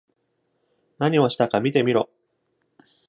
何をしたか見てみろ!